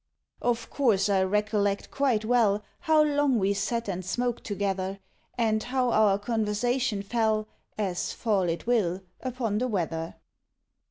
Of course I recollect quite well How long we sat and smoked together, And how our conversation fell (As fall it will) upon the weather.